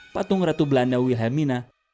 patung ratu belanda wilhelmina